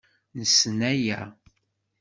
Nessen aya.